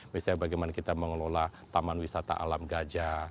misalnya bagaimana kita mengelola taman wisata alam gajah